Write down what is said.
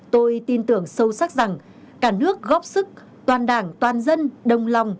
tôi tin tưởng sâu sắc rằng cả nước góp sức toàn đảng toàn dân đồng lòng